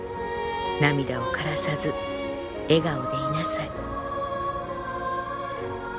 涙を涸らさず笑顔でいなさい」。